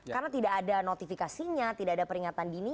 karena tidak ada notifikasinya tidak ada peringatan dini